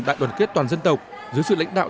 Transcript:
đại đoàn kết toàn dân tộc dưới sự lãnh đạo